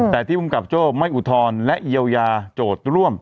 แต่ที่ภูมิกับโจ้ไม่อุทธรณ์และเยียวยาโจทย์ร่วม